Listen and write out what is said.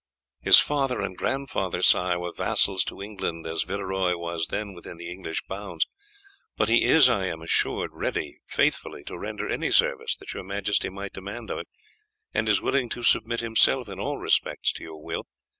"His father and grandfather, sire, were vassals of England, as Villeroy was then within the English bounds, but he is, I am assured, ready faithfully to render any service that your majesty might demand of him, and is willing to submit himself, in all respects, to your will.